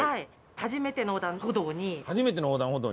初めての横断歩道に。